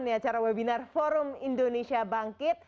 di acara webinar forum indonesia bangkit